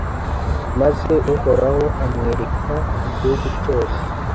maze uhoraho amwereka igihugu cyose